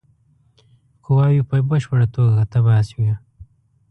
قواوي په بشپړه توګه تباه شوې.